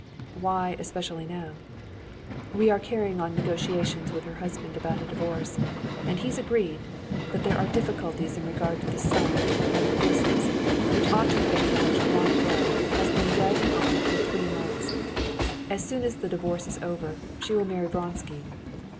"Why especially now?" "We are carrying on negotiations with her husband about a divorce. And he's agreed; but there are difficulties in regard to the son, and the business, which ought to have been arranged long ago, has been dragging on for three months past. As soon as the divorce is over, she will marry Vronsky.